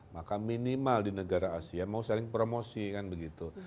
maka minimal di negara asia mau saling promosi kan begitu